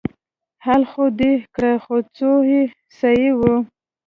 حل خو دې کړه خو څو يې صيي وه.